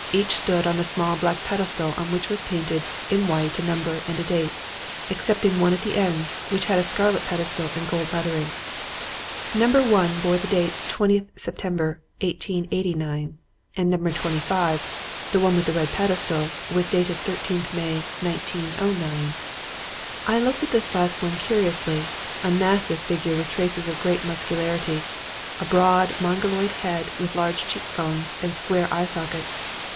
Each stood on a small black pedestal on which was painted in white a number and a date; excepting one at the end, which had a scarlet pedestal and gold lettering. Number 1 bore the date 20th September, 1889, and Number 25 (the one with the red pedestal) was dated 13th May, 1909. I looked at this last one curiously; a massive figure with traces of great muscularity, a broad, Mongoloid head with large cheekbones and square eye sockets.